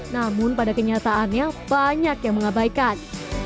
namun pada kenyataannya banyak yang mengabaikan